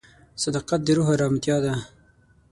صداقت د روح ارامتیا ده.